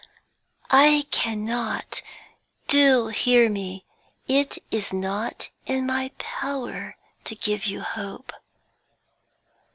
'I cannot do hear me it is not in my power to give you hope.'